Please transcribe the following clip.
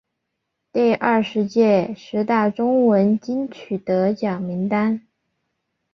第二十届十大中文金曲得奖名单